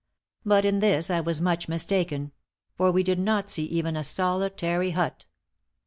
But in this I was much mistaken; for we did not see even a solitary hut.